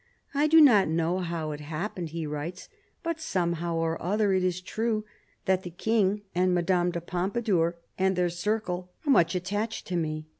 "I do not know how it happened," he writes, " but somehow or other it is true that the king and Madame de Pompadour and their circle are much attached to me.